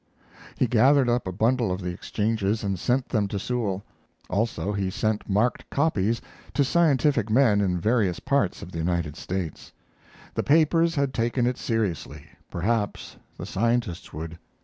He gathered up a bundle of the exchanges and sent them to Sewall; also he sent marked copies to scientific men in various parts of the United States. The papers had taken it seriously; perhaps the scientists would.